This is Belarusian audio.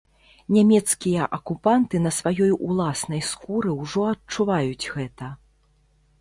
Нямецкія акупанты на сваёй уласнай скуры ўжо адчуваюць гэта.